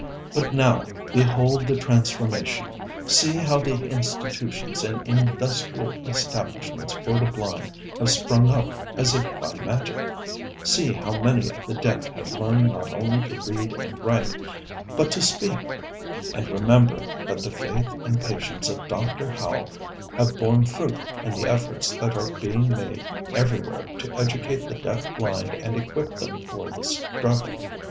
But now, behold the transformation; see how institutions and industrial establishments for the blind have sprung up as if by magic; see how many of the deaf have learned not only to read and write, but to speak; and remember that the faith and patience of Dr. Howe have borne fruit in the efforts that are being made everywhere to educate the deaf blind and equip them for the struggle.